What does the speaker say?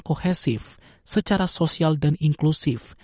terutama di kota kota di australia